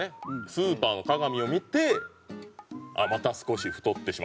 スーパーの鏡を見て「また少し太ってしまったかも」。